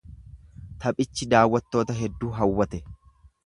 Taphichi daawwattoota hedduu hawwate.